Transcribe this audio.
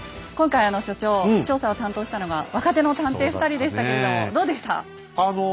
今回あの所長調査を担当したのが若手の探偵２人でしたけれどもどうでした？